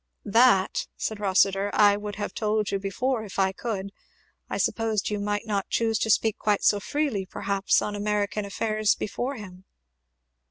"That" said Rossitur. "I would have told you before if I could. I supposed you might not choose to speak quite so freely, perhaps, on American affairs before him."